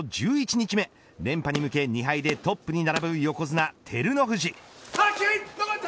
１１日目連覇に向け２敗でトップに並ぶ横綱、照ノ富士。